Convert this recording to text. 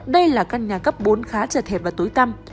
đây là căn nhà cấp bốn khá trật hẹp và tối tăm